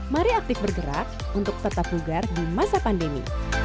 mari aktif bergerak untuk tetap bugar di masa pandemi